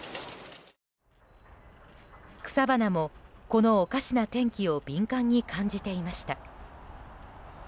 草花も、このおかしな天気を敏感に感じていました。